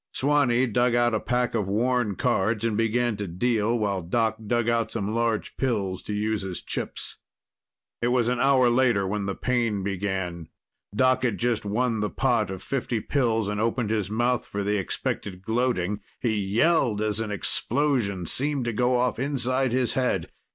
Swanee dug out a pack of worn cards and began to deal while Doc dug out some large pills to use as chips. It was an hour later when the pain began. Doc had just won the pot of fifty pills and opened his mouth for the expected gloating. He yelled as an explosion seemed to go off inside his head.